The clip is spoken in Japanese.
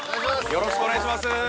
よろしくお願いします